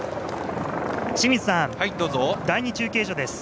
清水さん、第２中継所です。